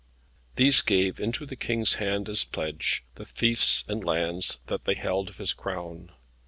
These gave into the King's hand as pledge, the fiefs and lands that they held of his Crown.